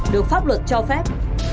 được pháp luật cho phép